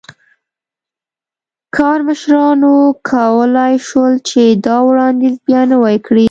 کارمشرانو کولای شول چې دا وړاندیز بیا نوی کړي.